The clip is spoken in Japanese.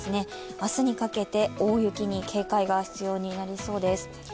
明日にかけて大雪に警戒が必要になりそうです。